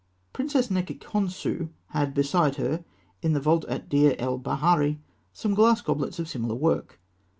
Princess Nesikhonsû had beside her, in the vault at Deir el Baharî, some glass goblets of similar work.